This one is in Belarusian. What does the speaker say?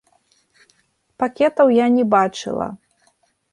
Пакетаў я не бачыла.